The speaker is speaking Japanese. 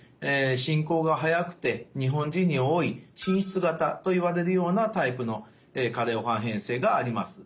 進行が速くて日本人に多い滲出型といわれるようなタイプの加齢黄斑変性があります。